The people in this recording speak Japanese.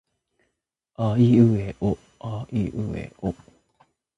あいうえおあいうえお